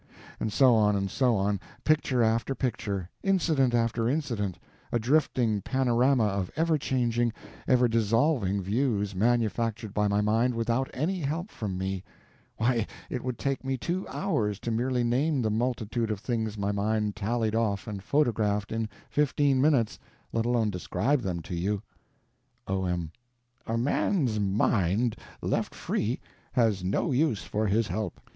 And so on and so on, picture after picture, incident after incident, a drifting panorama of ever changing, ever dissolving views manufactured by my mind without any help from me—why, it would take me two hours to merely name the multitude of things my mind tallied off and photographed in fifteen minutes, let alone describe them to you. O.M. A man's mind, left free, has no use for his help.